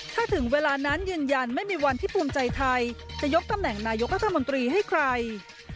ถ้าถึงเวลานั้นยืนยันไม่มีวันที่ภูมิใจไทยจะยกตำแหน่งนายกรัฐมนตรีให้ใคร